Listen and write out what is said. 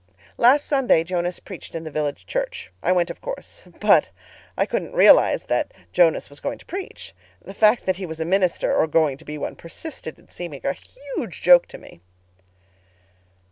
"Last Sunday Jonas preached in the village church. I went, of course, but I couldn't realize that Jonas was going to preach. The fact that he was a minister—or going to be one—persisted in seeming a huge joke to me.